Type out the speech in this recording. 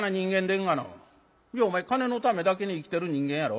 「お前金のためだけに生きてる人間やろ？」。